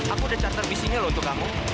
aku udah cater bisinya loh untuk kamu